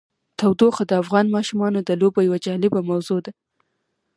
تودوخه د افغان ماشومانو د لوبو یوه جالبه موضوع ده.